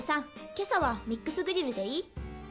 今朝はミックスグリルでいい？